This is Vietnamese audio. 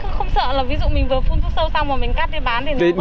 không sợ là ví dụ mình vừa phun thuốc sâu xong mà mình cắt đi bán thì nó có thể